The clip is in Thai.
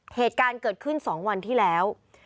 เหตุการณ์เกิดขึ้น๒วันที่แล้ว